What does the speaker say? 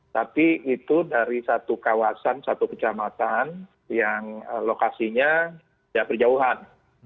tapi itu dari satu kawasan satu kecamatan yang lokasinya tidak berjauhan